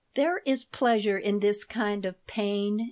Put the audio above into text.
There is pleasure in this kind of pain.